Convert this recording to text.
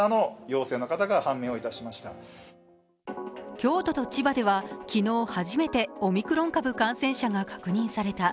京都と千葉では昨日、初めてオミクロン株感染者が確認された。